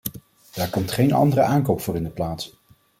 Daar komt geen andere aankoop voor in de plaats.